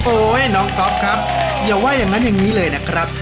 น้องก๊อฟครับอย่าว่าอย่างนั้นอย่างนี้เลยนะครับ